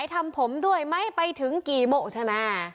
ทำผมด้วยไม่ไปถึงกี่โหมใช่มะ